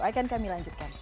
akan kami lanjutkan